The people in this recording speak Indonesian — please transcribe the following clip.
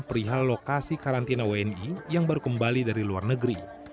perihal lokasi karantina wni yang baru kembali dari luar negeri